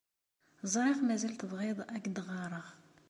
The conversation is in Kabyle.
Ẓriɣ mazal tebɣiḍ ad ak-d-ɣɣareɣ.